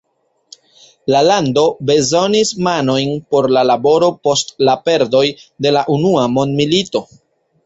La lando bezonis manojn por laboro post la perdoj de la Unua Mondmilito.